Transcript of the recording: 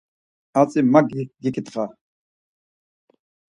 Hatzi ma giǩitxa.